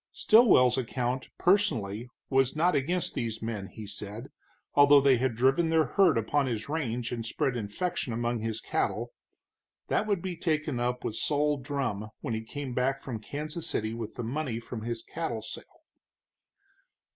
Stilwell's account, personally, was not against these men, he said, although they had driven their herd upon his range and spread infection among his cattle. That would be taken up with Sol Drumm when he came back from Kansas City with the money from his cattle sale.